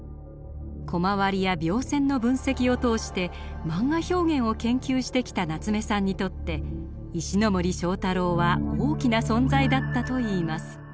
コマ割りや描線の分析を通してマンガ表現を研究してきた夏目さんにとって石森章太郎は大きな存在だったといいます。